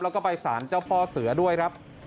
แล้วก็ไปสารเจ้าพ่อเสือด้วยครับ